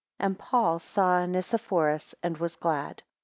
And Paul saw Onesiphorus, and was glad.